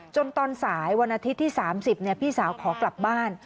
ตอนสายวันอาทิตย์ที่๓๐พี่สาวขอกลับบ้าน